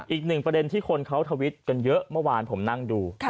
อีกหนึ่งประเด็นที่คนเขาทวิตกันเยอะเมื่อวานผมนั่งดู